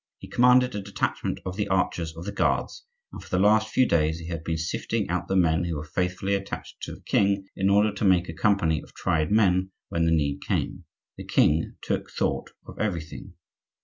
He commanded a detachment of the archers of the guards, and for the last few days he had been sifting out the men who were faithfully attached to the king, in order to make a company of tried men when the need came. The king took thought of everything.